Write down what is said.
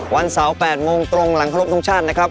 วันเสาร์๘โมงตรงหลังครบทุกชาตินะครับ